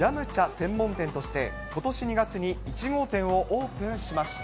専門店として、ことし２月に１号店をオープンしました。